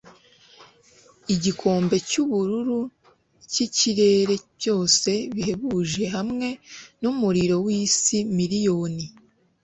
Igikombe cyubururu cyikirere byose bihebuje hamwe numuriro wisi miriyoni